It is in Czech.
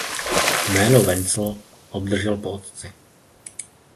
Jméno Wenzel obdržel po otci.